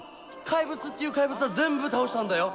「怪物っていう怪物は全部倒したんだよ」